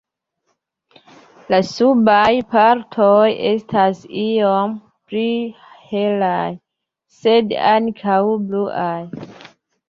La subaj partoj estas iom pli helaj, sed ankaŭ bluaj.